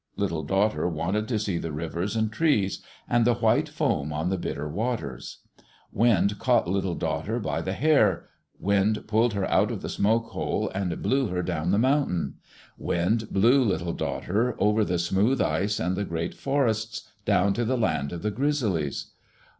Little Daughter wanted to see the rivers and trees, and the white foam on the Bitter Waters. Wind caught Little Daughter by the hair. Wind pulled her out of the smoke hole and blew her down the mountain. Wind blew Little Daughter over the smooth ice and the great forests, down to the land of the Grizzlies.